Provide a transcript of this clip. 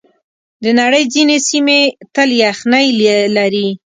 د نړۍ ځینې سیمې تل یخنۍ لري.